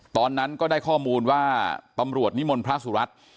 ตอนนั้นก็ได้ข้อมูลว่าตำรวจนิมนต์พระสุรัตน์